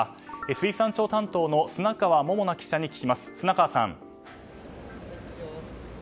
水産庁担当の砂川萌々菜記者に聞きます。